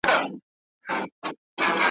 حساب نسته سر پر سر یې زېږومه `